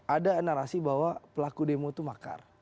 ada narasi bahwa pelaku demo itu makar